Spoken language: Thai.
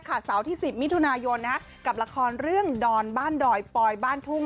วันแรกค่ะเสาที่๑๐มิถุนายนนะกับละครเรื่องดอนบ้านดอยปอยบ้านทุ่ง